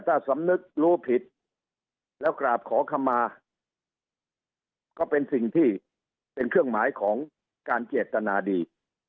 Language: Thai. ถ้าสำนึกรู้ผิดแล้วกราบขอขมาก็เป็นสิ่งที่เป็นเครื่องหมายของการเจตนาดี